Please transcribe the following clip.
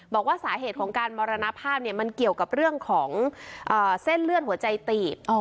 บอกว่าสาเหตุของการมรณภาพมันเกี่ยวกับเรื่องของเส้นเลือดหัวใจตีบ